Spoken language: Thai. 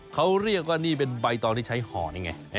เขาเรียกว่านี่เป็นใบตองที่ใช้ห่อนี่ไง